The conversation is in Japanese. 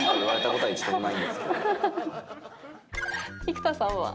生田さんは？